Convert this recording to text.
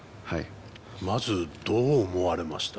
まずどう思われました？